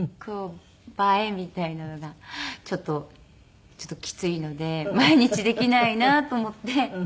「映え」みたいなのがちょっとちょっときついので毎日できないなと思って。